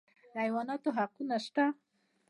د حیواناتو حقونه شته